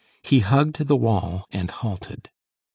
He hugged the wall and halted.